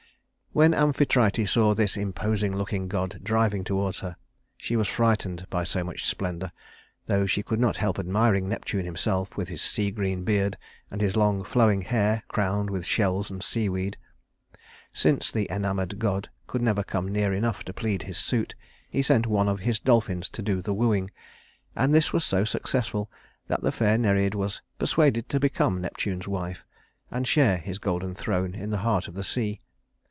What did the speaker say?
When Amphitrite saw this imposing looking god driving toward her, she was frightened by so much splendor, though she could not help admiring Neptune himself with his sea green beard, and his long flowing hair crowned with shells and seaweed. Since the enamored god could never come near enough to plead his suit, he sent one of his dolphins to do the wooing; and this was so successful that the fair Nereid was persuaded to become Neptune's wife, and share his golden throne in the heart of the sea.